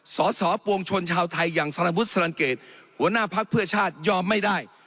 สสปวงชนชาวไทยอย่างสารวุฒิสลันเกตหัวหน้าพักเพื่อชาติยอมไม่ได้